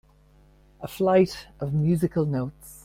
A flight of musical notes.